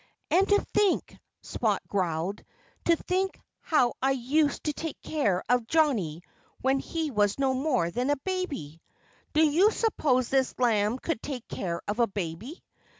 "And to think " Spot growled "to think how I used to take care of Johnnie when he was no more than a baby! Do you suppose this lamb could take care of a baby?